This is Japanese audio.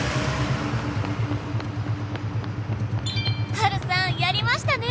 「ハルさんやりましたね！